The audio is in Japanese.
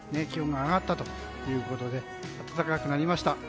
気温が上がったということで暖かくなりました。